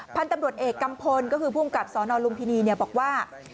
พันธุ์ตำรวจเอกกัมพลก็คือภูมิกับสนลุมพินีบอกว่า